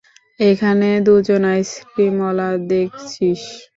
ওখানে দুজন আইসক্রিমওয়ালা দেখছিস?